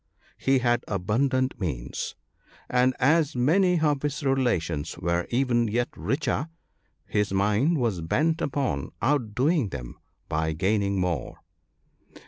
He had abundant means, but as many of his relations were even yet richer, his mind was bent upon outdoing them by gain ing more.